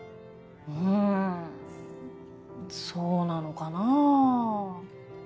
うーんそうなのかなぁ？